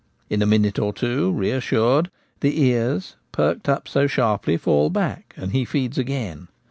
In a minute or two, reassured, the ears perked up so sharply fall back, and he feeds again.